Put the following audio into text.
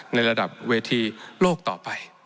ในระดับเวทีโลกต่อไป